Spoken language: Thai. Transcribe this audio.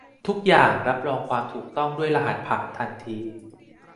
ทุกอย่างรับรองความถูกต้องด้วยรหัสผ่านทันที